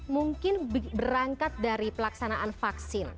mungkin berangkat dari pelaksanaan vaksin